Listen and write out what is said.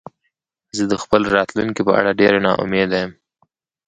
زه د خپل راتلونکې په اړه ډېره نا امیده یم